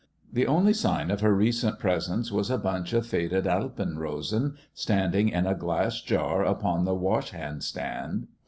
The only sign of her recent presence was a bunch of faded Alpenrosen standing in a glass jar upon the washhand stand.